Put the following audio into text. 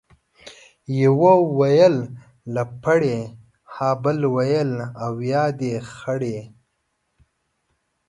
يوه ويل لپړى ، ها بل ويل ، اويا دي خړيه.